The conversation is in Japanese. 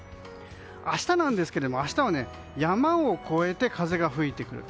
明日なんですけれども明日は山を越えて風が吹いてくる。